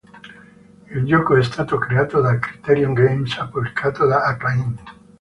Il gioco è stato creato da Criterion Games e pubblicato da Acclaim.